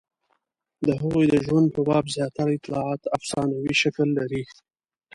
د هغوی د ژوند په باب زیاتره اطلاعات افسانوي شکل لري.